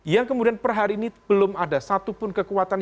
yang kemudian per hari ini belum ada satupun kekuatan